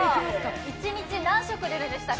一日何食出るんでしたっけ。